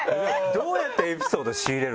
どうやってエピソード仕入れるんですか？